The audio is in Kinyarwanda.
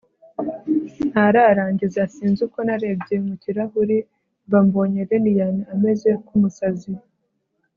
ntararangiza sinzi uko narebye mukirahuri mba mbonye lilian ameze kumusazi